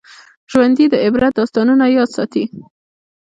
ژوندي د عبرت داستانونه یاد ساتي